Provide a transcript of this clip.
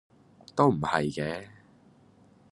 都唔係嘅